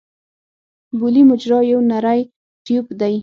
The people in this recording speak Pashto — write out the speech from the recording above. بولي مجرا یو نری ټیوب دی.